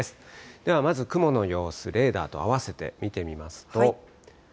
ではまず雲の様子、レーダーと合わせて見てみますと。